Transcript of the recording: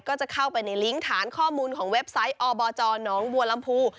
ก็จะเข้าไปในลิงก์ฐานข้อมูลของเว็บไซต์อบจหนองบัวลำพู